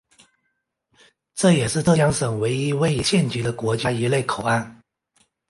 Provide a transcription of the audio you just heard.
这也是浙江省唯一位于县级的国家一类口岸。